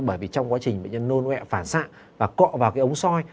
bởi vì trong quá trình bệnh nhân nôn phản xạ và cọ vào cái ống soi